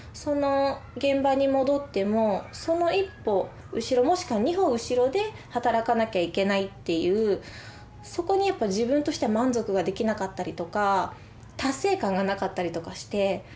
現場に戻ってもその一歩後ろもしくは二歩後ろで働かなきゃいけないっていうそこにやっぱ自分としては満足ができなかったりとか達成感がなかったりとかして。